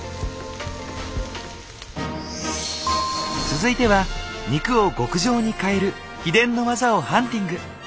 続いては肉を極上に変える秘伝の技をハンティング！